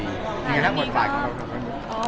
ยังไงครับบทภาคของคุณ